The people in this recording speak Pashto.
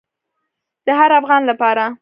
د هر افغان لپاره.